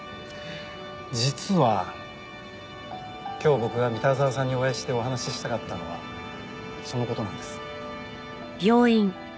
実は今日僕が三田沢さんにお会いしてお話ししたかったのはその事なんです。